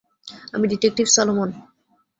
আমি detective Solomon.